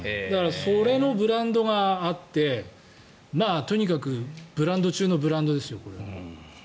それのブランドがあってとにかくブランド中のブランドですよ。